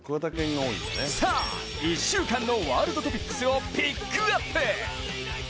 さあ、１週間のワールドトピックスをピックアップ。